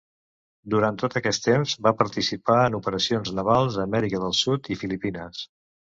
Durant tot aquest temps va participar en operacions navals a Amèrica del Sud i Filipines.